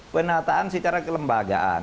penataan secara kelembagaan